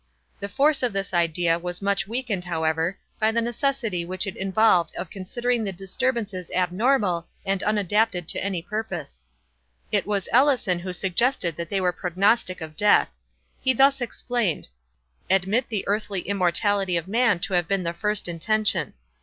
The force of this idea was much weakened, however, by the necessity which it involved of considering the disturbances abnormal and unadapted to any purpose. It was Ellison who suggested that they were prognostic of death. He thus explained:—Admit the earthly immortality of man to have been the first intention.